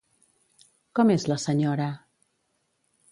Com és la senyora?